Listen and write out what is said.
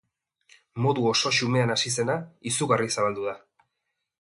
Modu oso xumean hasi zena, izugarri zabaldu da.